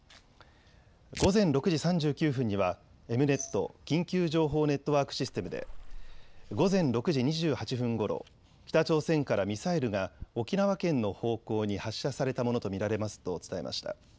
午前６時３９分にはエムネット・緊急情報ネットワークシステムで午前６時２８分ごろ、北朝鮮からミサイルが沖縄県の方向に発射されたものと見られますと伝えました。